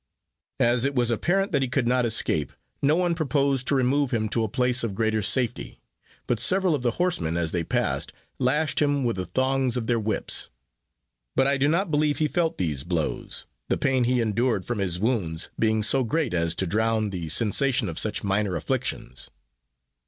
As it was apparent that he could not escape, no one proposed to remove him to a place of greater safety; but several of the horsemen, as they passed, lashed him with the thongs of their whips; but I do not believe he felt these blows the pain he endured from his wounds being so great as to drown the sensation of such minor afflictions.